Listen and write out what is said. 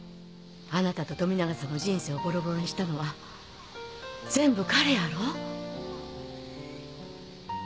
あなたと富永さんの人生をぼろぼろにしたのは全部彼やろ？